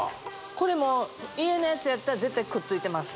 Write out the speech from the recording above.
これもう家のやつやったら絶対くっついてます